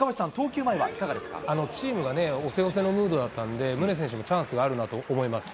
チームが押せ押せのムードだったんで、宗選手もチャンスがあるなと思います。